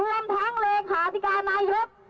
รวมทั้งเหลงหาธิการายศ